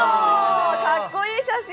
かっこいい写真！